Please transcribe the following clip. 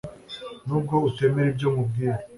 nubwo utemera ibyo nkubwira